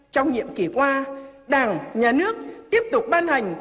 trong nhiệm kỳ qua đảng nhà nước tiếp tục ban hành